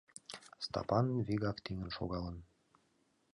Стапан вигак тӱҥын шогалын.